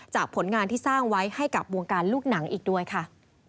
ผลงานที่สร้างไว้ให้กับวงการลูกหนังอีกด้วยค่ะ